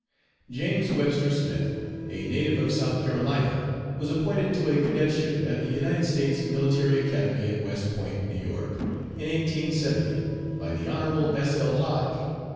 JAMES WEBSTER SMITH, a native of South Carolina, was appointed to a cadetship at the United States Military Academy at West Point, New York, in 1870, by the Hon. S. L. Hoge.